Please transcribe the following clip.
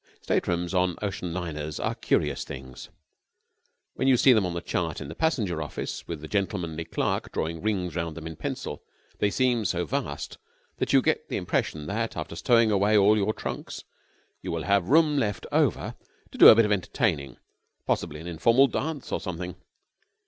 Staterooms on ocean liners are curious things. When you see them on the chart in the passenger office, with the gentlemanly clerk drawing rings round them in pencil, they seem so vast that you get the impression that, after stowing away all your trunks, you will have room left over to do a bit of entertaining possibly an informal dance or something.